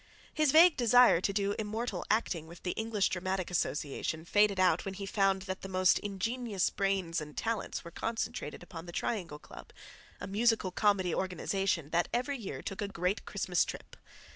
His vague desire to do immortal acting with the English Dramatic Association faded out when he found that the most ingenious brains and talents were concentrated upon the Triangle Club, a musical comedy organization that every year took a great Christmas trip.